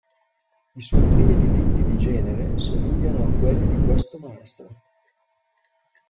I suoi primi dipinti di genere somigliano a quelli di questo maestro.